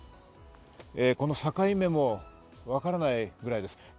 この境目もわからないくらいです。